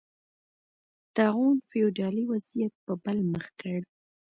طاعون فیوډالي وضعیت په بل مخ کړ